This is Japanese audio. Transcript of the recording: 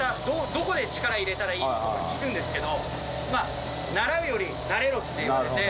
どこで力入れたらいいの？とか聞くんですけど習うより慣れろって言われて。